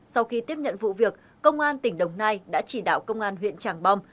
sau khi tiếp nhận vụ việc công an tỉnh đồng nai đã chỉ đạo công an huyện tràng bom